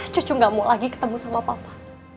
cucu gak mau lagi ketemu sama papa